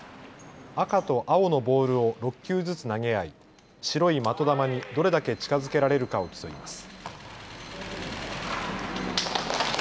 赤と青のボールを６球ずつ投げ合い白い的球にどれだけ近づけられるかを競います。